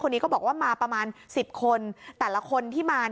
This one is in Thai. คนนี้ก็บอกว่ามาประมาณ๑๐คนแต่ละคนที่มา